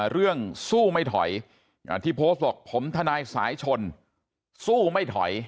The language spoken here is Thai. เรื่องสู้ไม่ถอยที่โพสต์บอกผมทนายสายชนสู้ไม่ถอย